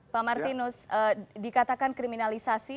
pak martinus dikatakan kriminalisasi